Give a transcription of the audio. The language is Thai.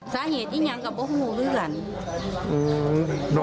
สาเหตุที่ยังก็ไม่รู้หรือหลัง